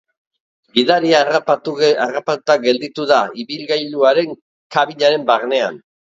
Gidaria harrapatuta gelditu da ibilgailuaren kabinaren barnean.